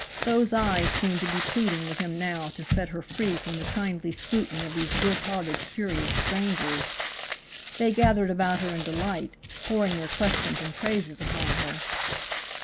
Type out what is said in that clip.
Those eyes seemed to be pleading with him now to set her free from the kindly scrutiny of these good hearted, curious strangers. They gathered about her in delight, pouring their questions and praises upon her.